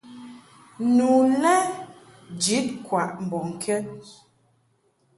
Nu lɛ jid kwaʼ mbɔŋkɛd.